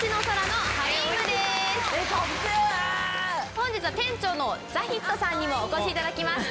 本日は店長のザヒットさんにもお越しいただきました。